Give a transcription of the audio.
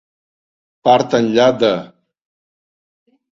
Part enllà de.